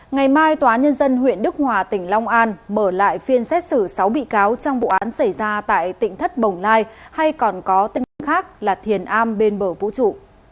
ngày mai tòa nhân dân huyện đức hòa tỉnh long an mở lại phiên xét xử sáu bị cáo trong vụ án xảy ra tại tỉnh thất bồng lai hay còn có tên khác là thiền a bên bờ vũ trụ